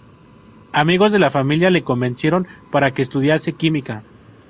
Amigos de la familia le convencieron para que estudiase química.